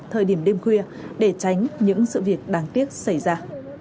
thời điểm đêm khuya để tránh những sự việc đáng tiếc xảy ra